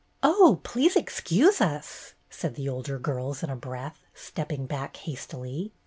"Oh, please excuse us!" said the older girls in a breath, stepping back hastily.